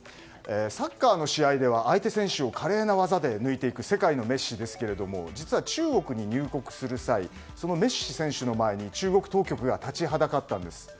サッカーの試合では相手選手を華麗な技で抜いていく世界のメッシですが実は中国に入国する際メッシ選手の前に中国当局が立ちはだかったんです。